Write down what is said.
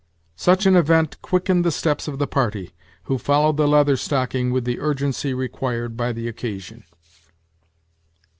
Such an event quickened the steps of the party, who followed the Leather Stocking with the urgency required by the occasion.